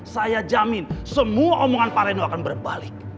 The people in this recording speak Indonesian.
saya jamin semua omongan pak reno akan berbalik